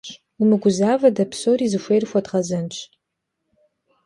Умыгузавэ, дэ псори зыхуей хуэдгъэзэнщ.